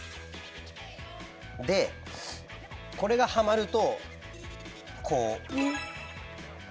でこれがはまるとこう。